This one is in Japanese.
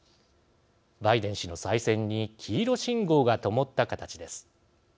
バイデン氏の再選に黄色信号がともった形です。